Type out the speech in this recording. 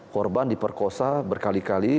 korban diperkosa berkali kali